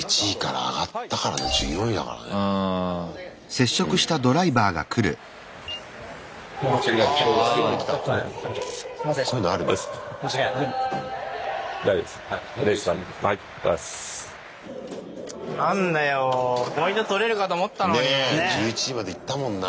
ね１１位まで行ったもんな。